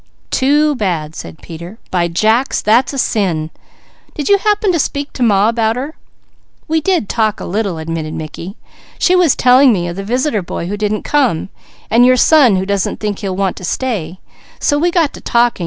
"Too bad!" said Peter. "By jacks that's a sin! Did you happen to speak to Ma about her?" "We did talk a little," admitted Mickey. "She was telling me of the visitor boy who didn't come, and your son who doesn't think he'll want to stay; so we got to talking.